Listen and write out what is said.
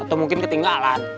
atau mungkin ketinggalan